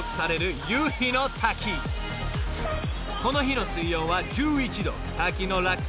［この日の水温は１１℃滝の落差２３ｍ］